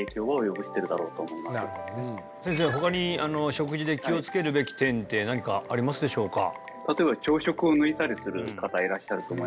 他に食事で気をつけるべき点って何かありますでしょうか？